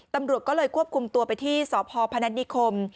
ตำรวจก็เลยควบคุมตัวไปที่สพพนัฐนิคม